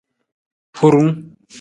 Hurung.